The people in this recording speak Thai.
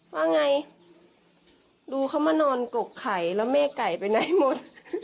ว่าไงรู้เขามานอนกกไข่แล้วแม่ไก่ไปไหนหมด